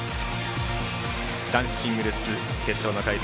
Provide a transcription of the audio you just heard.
男子シングルス決勝の解説